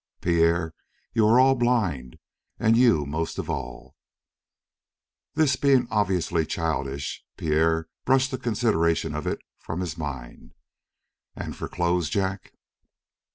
Pierre, you are all blind, and you most of all." This being obviously childish, Pierre brushed the consideration of it from his mind. "And for clothes, Jack?"